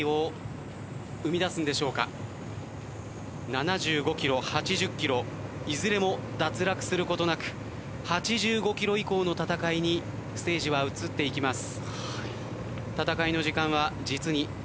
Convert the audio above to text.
７５ｋｍ８０ｋｍいずれも脱落することなく８５ｋｍ以降の戦いにステージは移っていきます。